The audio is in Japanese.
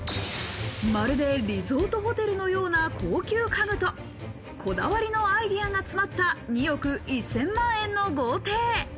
まるでリゾートホテルのような高級家具と、こだわりのアイデアが詰まった２億１０００万円の豪邸。